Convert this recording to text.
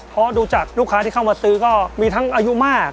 เพราะดูจากลูกค้าที่เข้ามาซื้อก็มีทั้งอายุมาก